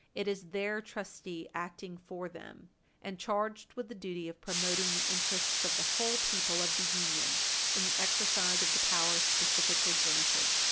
It is their trustee acting for them, and charged with the duty of promoting the interests of the whole people of the Union in the exercise of the powers specifically granted.